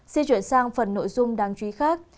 xin chuyển sang phần nội dung đáng chú ý khác